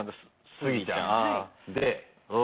スギちゃん。